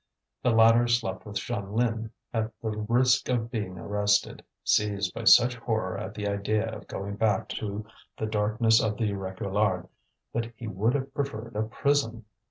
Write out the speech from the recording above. The latter slept with Jeanlin, at the risk of being arrested, seized by such horror at the idea of going back to the darkness of Réquillart that he would have preferred a prison.